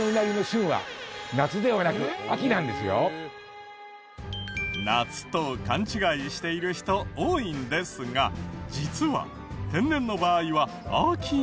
実は夏と勘違いしている人多いんですが実は天然の場合は秋が旬なんです。